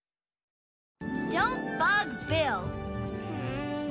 ん。